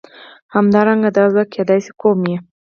همدارنګه دا ځواک کېدای شي قوم وي.